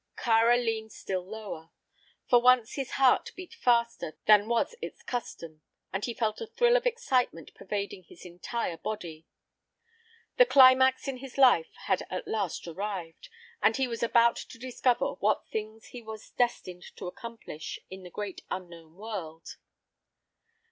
Kāra leaned still lower. For once his heart beat faster than was its custom, and he felt a thrill of excitement pervading his entire being. The climax in his life had at last arrived, and he was about to discover what things he was destined to accomplish in the great unknown world.